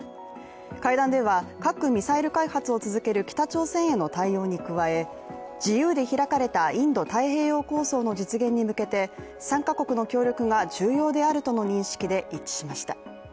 会談では核ミサイル開発を続ける北朝鮮への対応に加え自由で開かれたインド太平洋構想の実現に向けて３か国の協力が重要であるとの認識で一致しました。